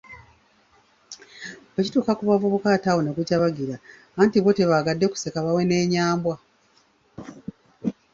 Bwe kituuka ku bavubuka ate awo ne gujabagalira anti bo tebaagadde kuseka baweneenya mbwa!